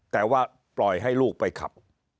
แต่ว่าปล่อยให้ลูกไปขับ